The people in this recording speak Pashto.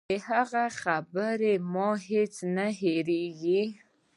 د هغه خبرې مې هېڅ نه هېرېږي.